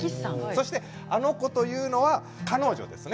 そして「あの子」というのは彼女ですね。